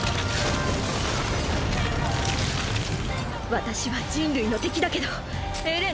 私は人類の敵だけどエレンの味方。